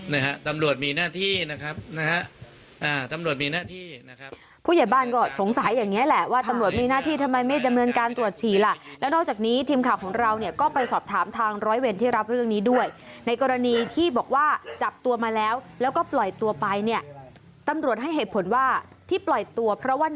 นะฮะตำรวจมีหน้าที่นะครับนะฮะอ่าตำรวจมีหน้าที่นะครับผู้ใหญ่บ้านก็สงสัยอย่างเงี้แหละว่าตำรวจมีหน้าที่ทำไมไม่ดำเนินการตรวจฉี่ล่ะแล้วนอกจากนี้ทีมข่าวของเราเนี่ยก็ไปสอบถามทางร้อยเวรที่รับเรื่องนี้ด้วยในกรณีที่บอกว่าจับตัวมาแล้วแล้วก็ปล่อยตัวไปเนี่ยตำรวจให้เหตุผลว่าที่ปล่อยตัวเพราะว่า